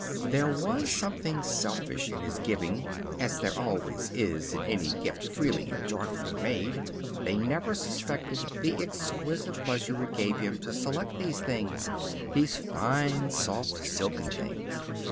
There was something selfish in his giving, as there always is in any gift freely and joyfully made. They never suspected the exquisite pleasure it gave him to select these things, these fine, soft, silken things.